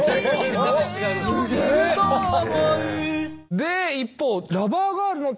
で一方。